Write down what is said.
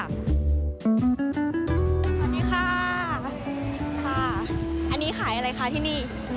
สวัสดีค่ะค่ะอันนี้ขายอะไรคะที่นี่